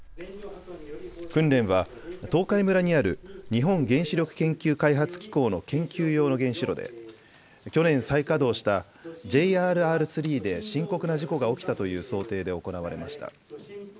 訓練は東海村にある日本原子力研究開発機構の研究用の原子炉で去年再稼働したＪＲＲー３で深刻な事故が起きたという想定で行われました。